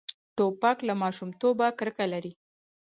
توپک له ماشومتوبه کرکه لري.